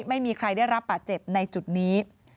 ไม่มีใครได้รับบาดเจ็บในจุดนี้